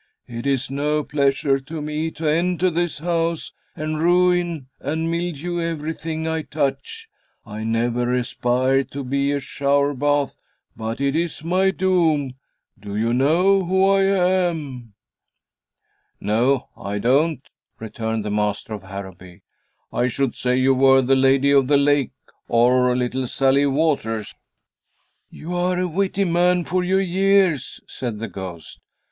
It is no pleasure to me to enter this house, and ruin and mildew everything I touch. I never aspired to be a shower bath, but it is my doom. Do you know who I am?" "No, I don't," returned the master of Harrowby. "I should say you were the Lady of the Lake, or Little Sallie Waters." "You are a witty man for your years," said the ghost.